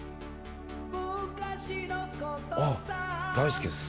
あっ大好きです